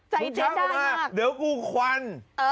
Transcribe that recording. ชอบใจเจ๊ได้มากมึงชักออกมาเดี๋ยวกูควัน